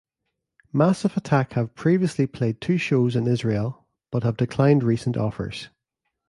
Massive Attack have previously played two shows in Israel, but have declined recent offers.